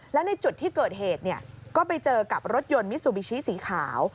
แล้วในจุดที่เกิดเหตุก็ไปเจอกับรถยนต์มิซูบิชิสีขาว